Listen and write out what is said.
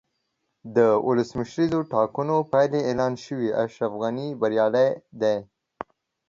د ولسمشریزو ټاکنو پایلې اعلان شوې، اشرف غني بریالی دی.